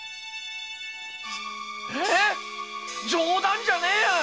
冗談じゃねえや！